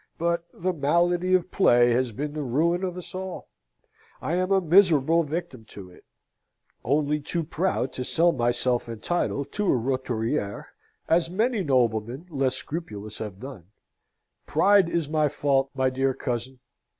But the malady of play has been the ruin of us all. I am a miserable victim to it: only too proud to sell myself and title to a roturiere, as many noblemen, less scrupulous, have done. Pride is my fault, my dear cousin.